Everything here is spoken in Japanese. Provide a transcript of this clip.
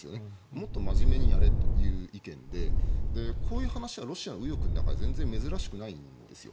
もっと真面目にやれという意見でこういう話はロシア右翼の中で珍しくないんです。